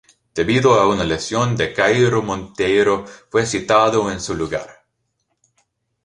Debido a una lesión de Caio Monteiro, fue citado en su lugar.